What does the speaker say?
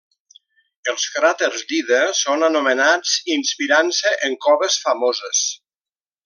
Els cràters d'Ida són anomenats inspirant-se en coves famoses.